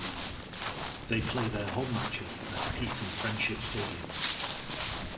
They play their home matches at Peace and Friendship Stadium.